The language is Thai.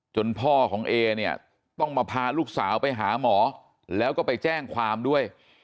พ่อของเอเนี่ยต้องมาพาลูกสาวไปหาหมอแล้วก็ไปแจ้งความด้วย